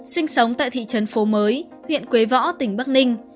sinh sống tại thị trấn phố mới huyện quế võ tỉnh bắc ninh